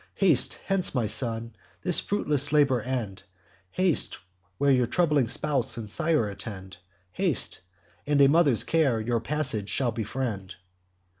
Haste hence, my son; this fruitless labour end: Haste, where your trembling spouse and sire attend: Haste; and a mother's care your passage shall befriend.